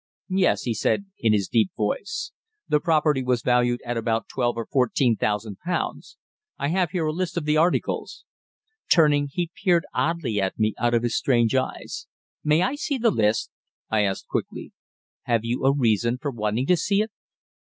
"Yes," he said in his deep voice. "The property was valued at about twelve or fourteen thousand pounds. I have here a list of the articles." Turning, he peered oddly at me out of his strange eyes. "May I see the list?" I asked quickly. "Have you a reason for wanting to see it?"